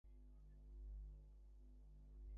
মনে হচ্ছে আমরা আবেগপ্রবণ হয়ে পড়ছি।